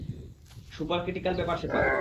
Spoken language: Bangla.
সুপার ক্রিটিকাল ব্যাপার-স্যাপার।